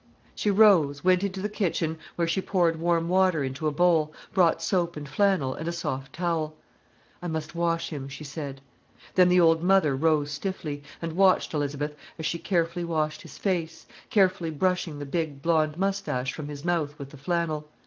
She rose, went into the kitchen, where she poured warm water into a bowl, brought soap and flannel and a soft towel. "I must wash him," she said. Then the old mother rose stiffly, and watched Elizabeth as she carefully washed his face, carefully brushing the big blond moustache from his mouth with the flannel.